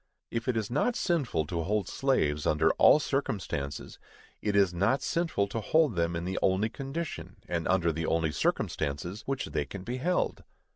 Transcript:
If it is not sinful to hold slaves, under all circumstances, it is not sinful to hold them in the only condition, and under the only circumstances, which they can be held.